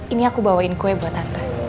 ini aku bawain kue buat tante